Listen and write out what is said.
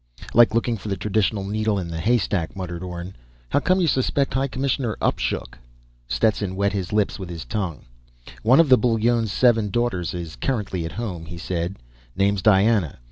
"Like looking for the traditional needle in the haystack," muttered Orne. "How come you suspect High Commissioner Upshook?" Stetson wet his lips with his tongue. "One of the Bullones' seven daughters is currently at home," he said. "Name's Diana.